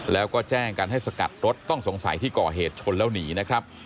แล้วก็แจ้งกันให้สกัดรถต้องสงสัยที่ก่อเหตุชนแล้วหนีนะครับ